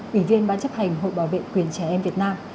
ủy viên ban chấp hành hội bảo vệ quyền trẻ em việt nam